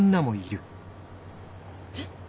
えっ？